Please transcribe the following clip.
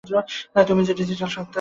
তুমি যে একটা ডিজিটাল স্বত্বা সেটা জানো?